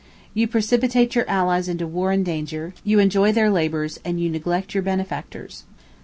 You precipitate your allies into war and danger, you enjoy their labors, and you neglect your benefactors.